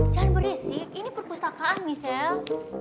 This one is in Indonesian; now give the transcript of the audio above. jangan berisik ini perpustakaan nih sal